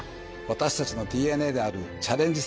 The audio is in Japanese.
私たちのＤＮＡであるチャレンジ